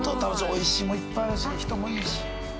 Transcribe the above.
おいしいものいっぱいあるし人もいいし。